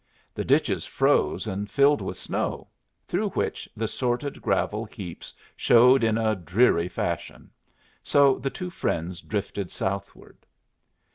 The ditches froze and filled with snow, through which the sordid gravel heaps showed in a dreary fashion; so the two friends drifted southward.